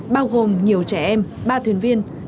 bao gồm nhiều trẻ em ba thuyền viên